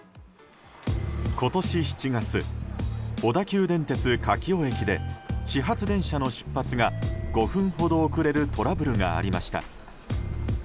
今年７月小田急電鉄柿生駅で始発電車の出発が５分ほど遅れるトラブルがありました。